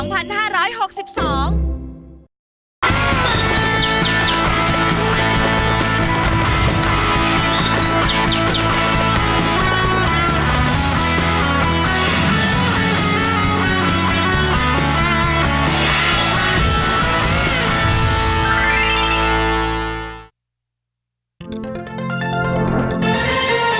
โปรดติดตามตอนต่อไป